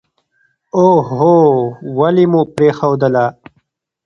اوهووو ولې مو پرېښودله.